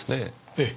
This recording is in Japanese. ええ。